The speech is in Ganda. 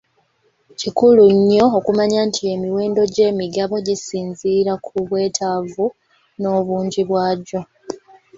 Kikulu nnyo okumanya nti emiwendo gy'emigabo gisinziira ku bwetaavu n'obungi bwagyo.